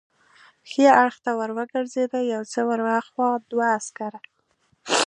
ښي اړخ ته ور وګرځېدو، یو څه ور هاخوا دوه عسکر.